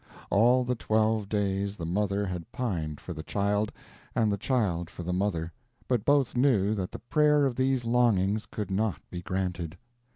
All the twelve days the mother had pined for the child, and the child for the mother, but both knew that the prayer of these longings could not be granted.